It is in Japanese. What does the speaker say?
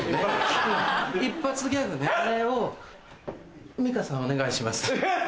一発ギャグねあれを美香さんお願いします。